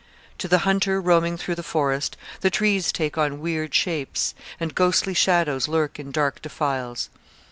To the hunter roaming through the forest the trees take on weird shapes, and ghostly shadows lurk in dark defiles.